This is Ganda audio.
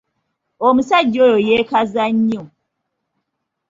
Omusajja oyo yeekaza nnyo.